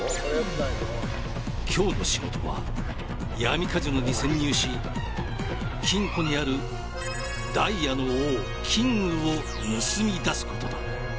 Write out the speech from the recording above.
今日の仕事は闇カジノに潜入し金庫にあるダイヤの王「ＫＩＮＧ」を盗み出すことだ